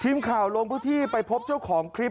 ทีมข่าวลงพื้นที่ไปพบเจ้าของคลิป